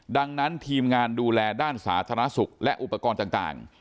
ดังนั้นทีมงานดูแลด้านสาธารณสุขและอุปกรณ์ต่าง